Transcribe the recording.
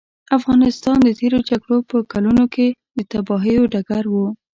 افغانستان د تېرو جګړو په کلونو کې د تباهیو ډګر و.